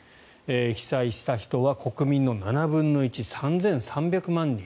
被災した人は国民の７分の１３３００万人。